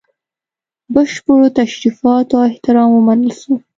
بشپړو تشریفاتو او احترام ومنل سو.